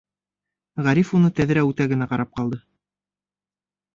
Ғариф уны тәҙрә үтә генә ҡарап ҡалды.